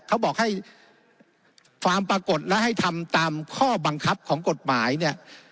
เขาบอกให้ฟาร์มปรากฏและให้ทำตามข้อบังคับของกฎหมายเนี่ย